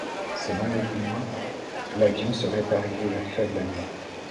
Selon des témoins, l'avion serait arrivé à faible allure.